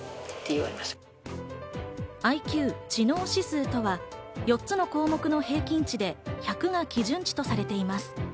ＩＱ知能指数とは、４つの項目の平均値で１００が基準値とされています。